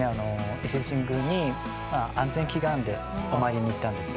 伊勢神宮に安全祈願でお参りに行ったんですよ。